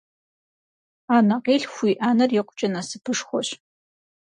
Анэкъилъху уиӏэныр икъукӏэ насыпышхуэщ!